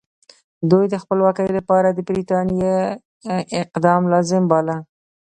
دوی د خپلواکۍ لپاره د برټانیې اقدام لازم باله.